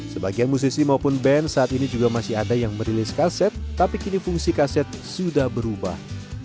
sebagian musisi maupun band saat ini juga masih ada yang merilis kaset tapi kini fungsi kaset sudah berubah